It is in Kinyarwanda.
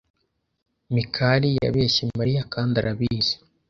Mikali yabeshye Mariya kandi arabizi.